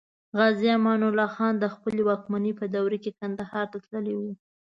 غازي امان الله خان د خپلې واکمنۍ په دوره کې کندهار ته تللی و.